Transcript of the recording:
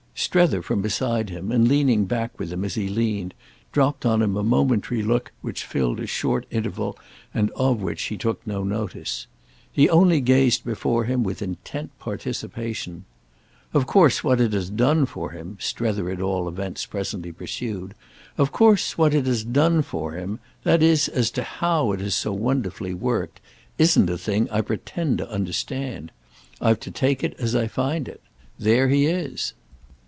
Strether, from beside him and leaning back with him as he leaned, dropped on him a momentary look which filled a short interval and of which he took no notice. He only gazed before him with intent participation. "Of course what it has done for him," Strether at all events presently pursued, "of course what it has done for him—that is as to how it has so wonderfully worked—isn't a thing I pretend to understand. I've to take it as I find it. There he is."